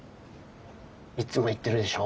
いっつも言ってるでしょ。